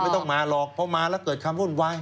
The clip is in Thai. ไม่ต้องมาหรอกเพราะมาแล้วเกิดความวุ่นวาย